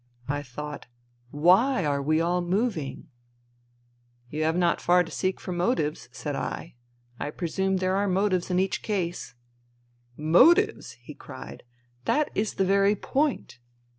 " I thought : Why are we all moving ?"" You have not far to seek for motives," said I. " I presume there are motives in each case." " Motives !" he cried. " That is the very point.